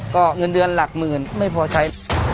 ก็เงินเดือนหลักหมื่นไม่พอใช้